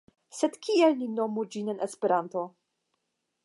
Sed kiel ni nomu ĝin en Esperanto?